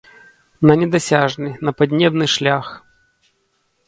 На недасяжны, на паднебны шлях.